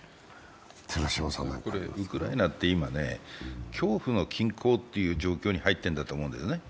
ウクライナって今、恐怖の均衡という時期に入っていると思います。